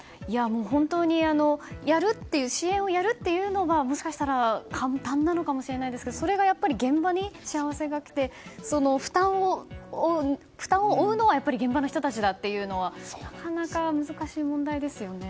本当に支援をやるっていうのがもしかしたら簡単なのかもしれないですがそれが現場にしわ寄せがきて負担を負うのは現場の人たちだというのはなかなか難しい問題ですよね。